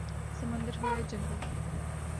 سمندر ہو یا جنگل